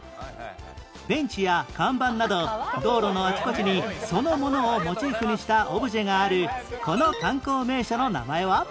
ベンチや看板など道路のあちこちにそのものをモチーフにしたオブジェがあるこの観光名所の名前は？